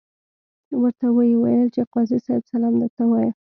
ورته ویې ویل چې قاضي صاحب سلام درته وایه.